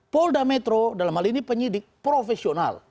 polda metro dalam hal ini penyidik profesional